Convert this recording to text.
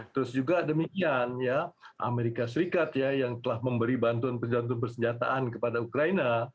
terus juga demikian amerika serikat yang telah memberi bantuan penjualan bersenjataan kepada ukraina